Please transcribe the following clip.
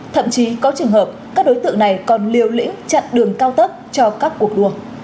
thậm chí có trường hợp các đối tượng này còn liều lĩnh chặn đường cao tốc cho các cuộc đua